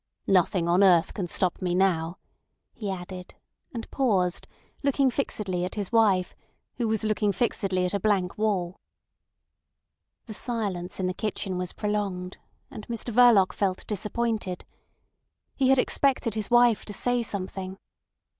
"Nothing on earth can stop me now," he added, and paused, looking fixedly at his wife, who was looking fixedly at a blank wall. The silence in the kitchen was prolonged, and Mr Verloc felt disappointed. He had expected his wife to say something.